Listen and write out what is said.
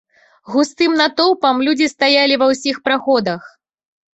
Густым натоўпам людзі стаялі ва ўсіх праходах.